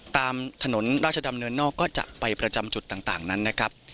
ตามถนนราชดำเนินนอกก็จะไปประจำจุดต่างนั้นนะครับ